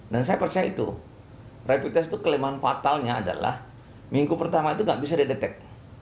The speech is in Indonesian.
dan saya percaya itu rapid test itu kelemahan fatalnya adalah minggu pertama itu nggak bisa didetek